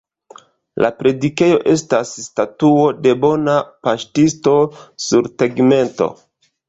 La predikejo estas Statuo de Bona Paŝtisto sur tegmento.